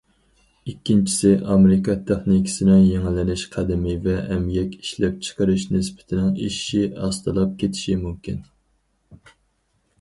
ئىككىنچىسى، ئامېرىكا تېخنىكىسىنىڭ يېڭىلىنىش قەدىمى ۋە ئەمگەك ئىشلەپچىقىرىش نىسبىتىنىڭ ئېشىشى ئاستىلاپ كېتىشى مۇمكىن.